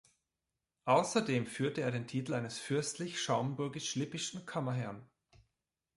Außerdem führte er den Titel eines fürstlich-schaumburgisch-lippischen Kammerherren.